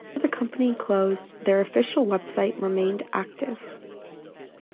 After the company closed, their official website remained active.